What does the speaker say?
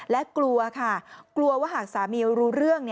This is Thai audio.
และกลัวค่ะกลัวว่าหากสามีรู้เรื่อง